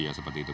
ya seperti itu